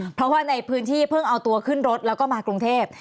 เพราะว่าในพื้นที่เพิ่งเอาตัวขึ้นรถแล้วก็มากรุงเทพ